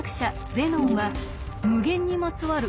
ゼノンは無限にまつわる